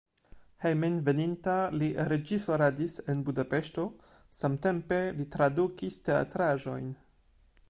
Hejmenveninta li reĝisoradis en Budapeŝto, samtempe li tradukis teatraĵojn.